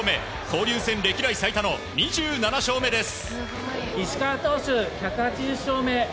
交流戦歴代最多の２７勝目です。